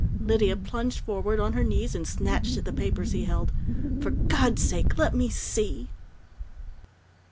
Lydia plunged forward on her knees and snatched at the papers he held. "For God's sake, let me see!"